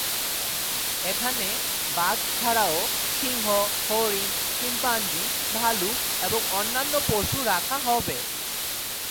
এখানে বাঘ ছাড়াও সিংহ, হরিণ, শিম্পাঞ্জি, ভালুক এবং অন্যান্য পশু রাখা হবে।